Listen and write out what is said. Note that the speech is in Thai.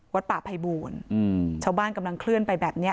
วัดป่าภัยบูรณ์ชาวบ้านกำลังเคลื่อนไปแบบเนี้ย